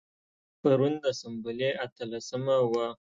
پرون د سنبلې اتلسمه وه.